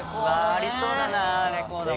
ありそうだなレコードも。